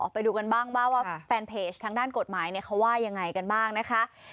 ไปดูกันบ้างว่าว่าแฟนเพจทางด้านกฎหมายเขาว่ายังไงกันบ้างนะคะ